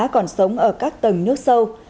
còn sống ở các tầng nước sâu